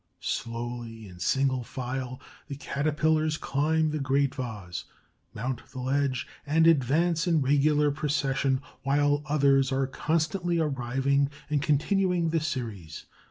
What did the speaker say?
Slowly, in single file, the Caterpillars climb the great vase, mount the ledge, and advance in regular procession, while others are constantly arriving and continuing the series.